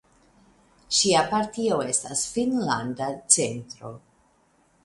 Ŝia partio estas Finnlanda centro.